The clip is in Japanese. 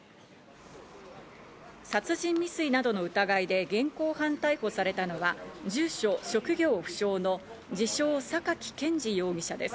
殺人未遂などの疑いで現行犯逮捕されたのは住所、職業不詳の自称サカキ・ケンジ容疑者です。